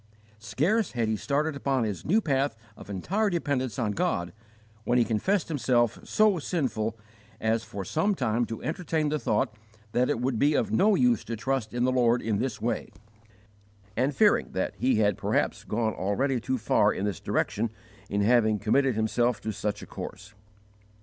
Scarce had he started upon his new path of entire dependence on God, when he confessed himself "so sinful" as for some time to entertain the thought that "it would be of no use to trust in the Lord in this way," and fearing that he had perhaps gone already too far in this direction in having committed himself to such a course.